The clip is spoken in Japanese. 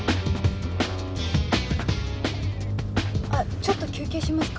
ちょっと休憩しますか？